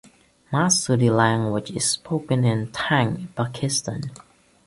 Masoodi language is spoken in Tank, Pakistan.